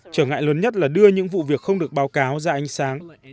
trở ngại lớn nhất là đưa những vụ việc không được báo cáo ra ánh sáng